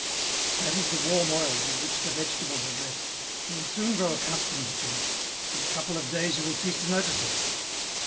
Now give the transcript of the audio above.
" That is the warm oil with which the vegetables are dressed, you will soon grow accustomed to it, in a couple of days you will cease to notice it."